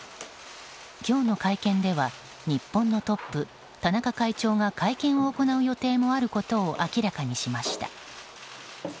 今日の会見では日本のトップ、田中会長が会見を行う予定もあることを明らかにしました。